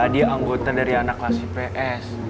dia anggota dari anak klasi ps